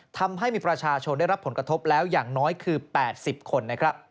ทำให้มีประชาชนได้รับผลกระทบแล้วอย่างน้อยคือ๘๐คนนะครับ